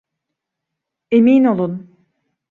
Emin olun.